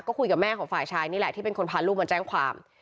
ก็คุยกับแม่ของฝ่ายชายนี่แหละที่เป็นคนพาลูกมาแจ้งความ